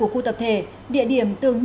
khu tập thể bắc nghĩa tân hà nội